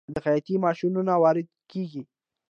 د خیاطۍ ماشینونه وارد کیږي؟